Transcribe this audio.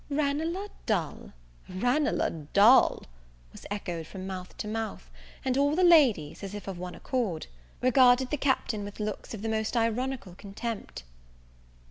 "Ranelagh dull!" "Ranelagh dull! was echoed from mouth to mouth; and all the ladies, as if of one accord, regarded the Captain with looks of the most ironical contempt.